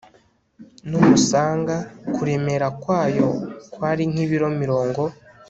n umusaga kuremera kwayo kwari nk ibiro mirongo